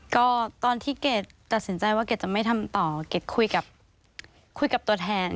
ก็ตอนที่เกรดตัดสินใจว่าเกรดจะไม่ทำต่อเกรดคุยกับคุยกับตัวแทน